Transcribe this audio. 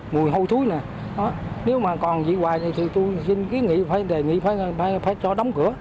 mùi hâu thúi nếu mà còn vậy hoài thì tôi đề nghị phải cho đóng cửa